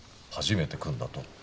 初めて組んだと。